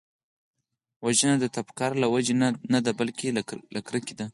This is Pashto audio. وژنه د تفکر له وجې نه ده، بلکې له کرکې ده